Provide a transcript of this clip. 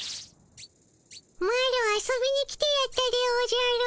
マロ遊びに来てやったでおじゃる。